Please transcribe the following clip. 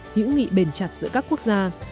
hữu nghị bền chặt giữa các quốc gia